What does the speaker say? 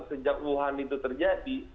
sejak wuhan itu terjadi